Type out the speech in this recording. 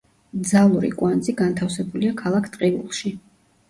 ძალური კვანძი განთავსებულია ქალაქ ტყიბულში.